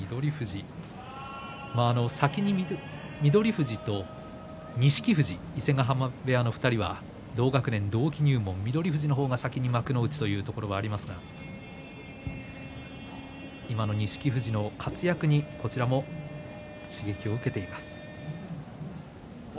富士と錦富士伊勢ヶ濱部屋の２人は同学年同期入門、翠富士の方が先に幕内ということがありますが今の錦富士の活躍にこちらも刺激を受けています。